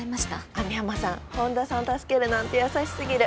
網浜さん本田さん助けるなんて優しすぎる。